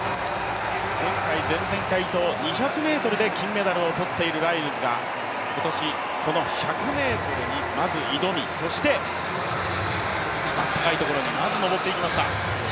前回、前々回と２００ｍで金メダルを取っているライルズが、今年この１００ｍにまず挑み、そして一番高いところにまず上っていきました。